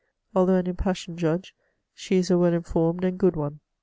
Although an impassioned judge, she is a well informed and good one.